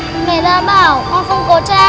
người ta bảo con không có cha